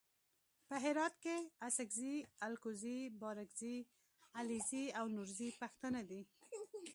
په هرات کې اڅګزي الکوزي بارګزي علیزي او نورزي پښتانه دي.